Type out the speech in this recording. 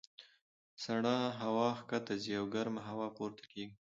سړه هوا ښکته ځي او ګرمه هوا پورته کېږي.